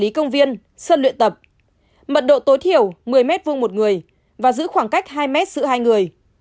ý công viên sân luyện tập mật độ tối thiểu một mươi m hai một người và giữ khoảng cách hai m giữa hai người